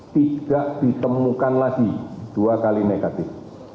tidak ditemukan lagi dua kali negatif